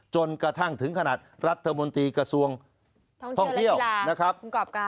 จนกระทั่งถึงขนาดรัฐมนตรีกระทรวงท่องเที่ยวนะครับ